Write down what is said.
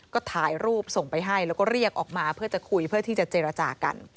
ก็ถ่ายรูปส่งไปให้แล้วก็เรียกออกมาเพื่อจะคุยเพื่อที่จะเจรจากัน